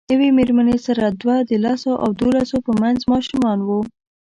یوې میرمنې سره دوه د لسو او دولسو په منځ ماشومان وو.